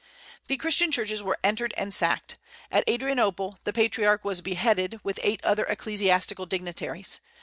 The Christian churches were entered and sacked. At Adrianople the Patriarch was beheaded, with eight other ecclesiastical dignitaries.